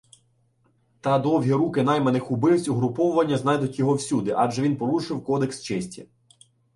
Та довгі руки найманих убивць угруповання знайдуть його всюди, адже він порушив кодекс честі.